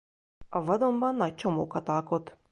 A vadonban nagy csomókat alkot.